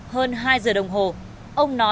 hơn hai giờ đồng hồ